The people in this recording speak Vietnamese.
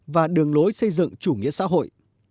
và đường lối xây dựng chủ nghĩa xã hội